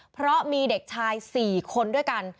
เพราะมีเด็กชาย๔คนด้วยกัน